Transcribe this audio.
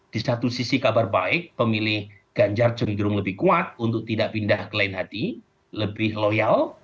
di satu sisi kabar baik pemilih ganjar cenderung lebih kuat untuk tidak pindah ke lain hati lebih loyal